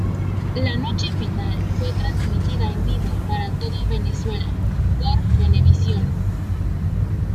La noche final fue transmitida en vivo para toda Venezuela por Venevisión.